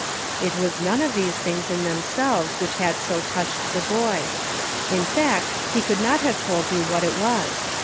It was none of these things in themselves which had so touched the boy ; in fact, he could not have told you what it was.